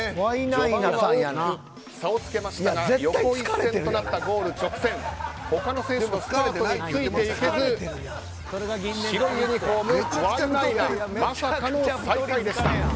序盤は差をつけましたが横一線となったゴール直線他の選手のスピードについていけず、白いユニホームまさかの最下位でした。